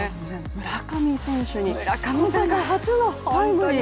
村上選手、初のタイムリー。